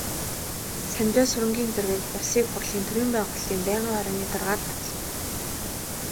Санжаасүрэнгийн Зоригийг Улсын Их Хурлын төрийн байгуулалтын байнгын хорооны даргаар батлав.